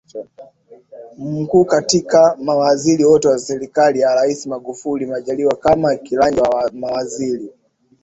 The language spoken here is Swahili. Mkuu Katika mawaziri wote wa serikali ya Rais Magufuli Majaliwa kama kiranja wa mawaziri